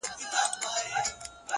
o دا چي تللي زموږ له ښاره تر اسمانه,